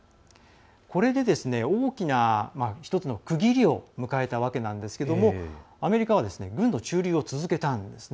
これで、大きな１つの区切りを迎えたわけなんですがアメリカは軍の駐留を続けたんですね。